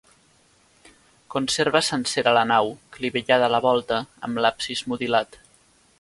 Conserva sencera la nau, clivellada a la volta, amb l'absis mutilat.